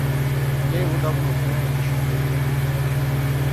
Я его давно знаю, еще с института.